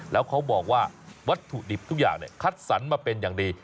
แล้วเขาบอกว่าวัตถุดิบทุกอย่างคัดสรรมาเป็นอย่างดี